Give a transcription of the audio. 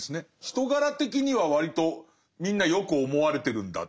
人柄的には割とみんなよく思われてるんだ。